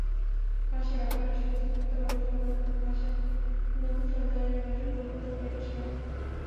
ভাষা ব্যবহারে সচেতনতা বাড়ুক সবারভাষায় নতুন শব্দ আসবে, ভাষার পরিবর্তন হবে এটাই স্বাভাবিক।